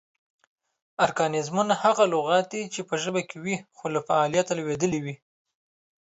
ارکانیزمونه: هغه لغات دي چې پۀ ژبه کې وي خو لۀ فعالیت لویدلي وي